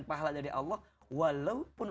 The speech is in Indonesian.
pahala dari allah walaupun